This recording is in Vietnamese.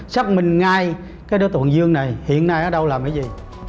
xác minh ngay cái đối tượng dương này hiện nay ở đâu làm cái gì